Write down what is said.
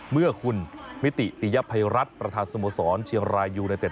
เมื่อคุณมิติติยภัยรัฐประธานสโมสรเชียงรายยูไนเต็